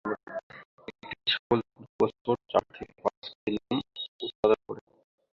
একটি ছাগল প্রতি বছর চার থেকে পাঁচ কেজি পর্যন্ত লোম উৎপাদন করে।